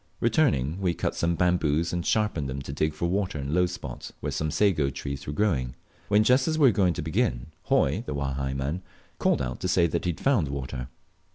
Returning, we cut some bamboos, and sharpened them to dig for water in a low spot where some sago trees were growing; when, just as we were going to begin, Hoi, the Wahai man, called out to say he had found water.